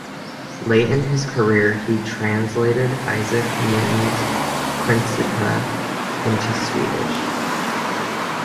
Late in his career, he translated Isaac Newton's "Principia" into Swedish.